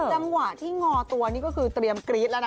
จังหวะที่งอตัวนี่ก็คือเตรียมกรี๊ดแล้วนะ